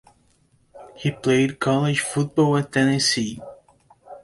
He played college football at Tennessee.